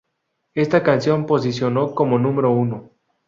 Esta canción posicionó como número uno.